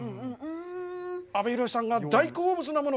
阿部寛さんが大好物なもの。